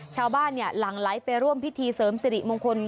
ชาวบ้านเนี่ยหลังไหลไปร่วมพิธีเสริมสิริมงคล